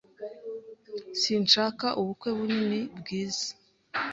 Sinshaka ubukwe bunini, bwiza.